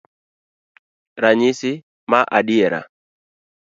Ranyisi maadiera